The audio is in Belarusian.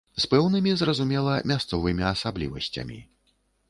З пэўнымі, зразумела, мясцовымі асаблівасцямі.